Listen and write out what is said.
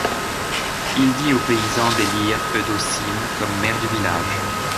Il dit aux paysans d’élire Eudocime comme maire du village.